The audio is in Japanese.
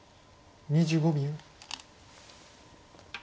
２５秒。